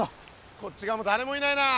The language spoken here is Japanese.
こっち側も誰もいないなあ。